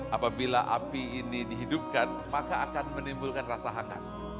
apabila api ini dihidupkan maka akan menimbulkan rasa hangat